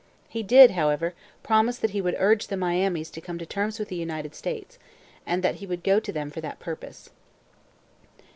He did, however, promise that he would urge the Miamis to come to terms with the United States, and that he would go to them for that purpose.